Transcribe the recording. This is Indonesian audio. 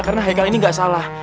karena haikal ini gak salah